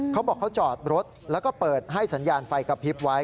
เขาบอกเขาจอดรถแล้วก็เปิดให้สัญญาณไฟกระพริบไว้